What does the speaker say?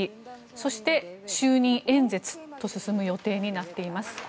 そして就任演説と進む予定になっています。